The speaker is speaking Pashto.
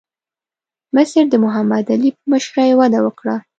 مصر د محمد علي په مشرۍ وده وکړه.